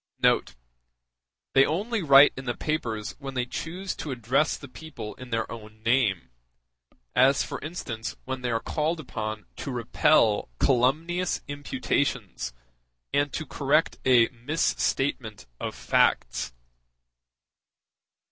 *a a [ They only write in the papers when they choose to address the people in their own name; as, for instance, when they are called upon to repel calumnious imputations, and to correct a misstatement of facts.